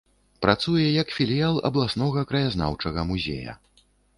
Працуе як філіял абласнога краязнаўчага музея.